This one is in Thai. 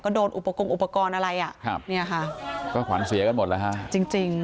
โดนอุปกอุปกรณ์อะไรอ่ะครับเนี่ยค่ะก็ขวัญเสียกันหมดแล้วฮะจริงจริง